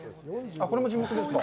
これも地元ですか。